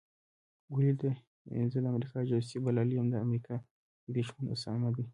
ولي دي زه د امریکا جاسوس بللی یم د امریکا لوی دښمن اسامه دی